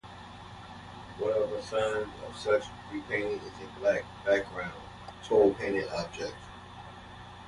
One of the signs of such repaintings is a black-backgrounded tole-painted object.